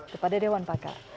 kepada dewan pakar